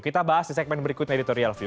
kita bahas di segmen berikutnya editorial view